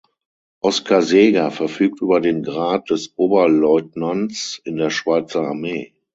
Oskar Seger verfügt über den Grad des Oberleutnants in der Schweizer Armee.